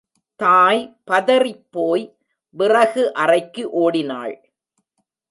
தாய் பதறிப் போய் விறகு அறைக்கு ஒடினாள்.